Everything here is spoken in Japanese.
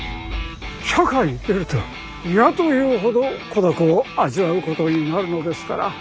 社会に出ると嫌というほど孤独を味わうことになるのですから